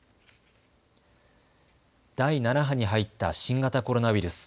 第７波に入った新型コロナウイルス。